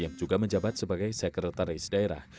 yang juga menjabat sebagai sekretaris daerah